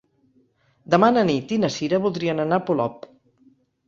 Demà na Nit i na Cira voldrien anar a Polop.